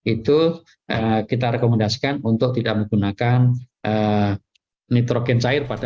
itu kita rekomendasikan untuk tidak menggunakan nitrogen cair pada